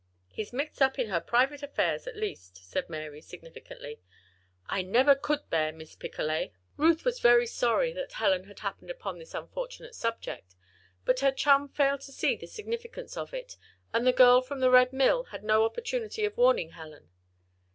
"He's mixed up in her private affairs, at least," said Mary, significantly. "I never could bear Miss Picolet!" Ruth was very sorry that Helen had happened upon this unfortunate subject. But her chum failed to see the significance of it, and the girl from the Red Mill had no opportunity of warning Helen.